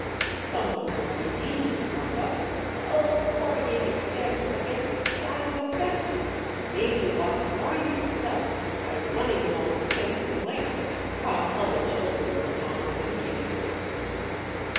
Some of the more ingenious among us held the corrugated stem against the side of a fence and made the watch wind itself by running along the fence's length, while other children looked on enviously.